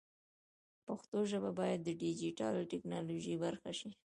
پښتو ژبه باید د ډیجیټل ټکنالوژۍ برخه شي.